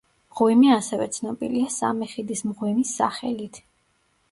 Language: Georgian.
მღვიმე ასევე ცნობილია „სამი ხიდის მღვიმის“ სახელით.